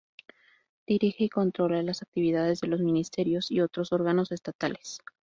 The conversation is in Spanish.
Dirige y controla las actividades de los ministerios y otros órganos estatales.